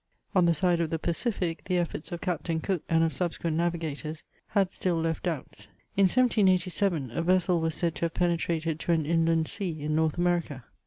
* On the side of the Pacific, l^e efforts of Captain Cook and of subsequent navigators had still left doubts. In 1787, a vessel was said to have penetrated to an inland sea in North America.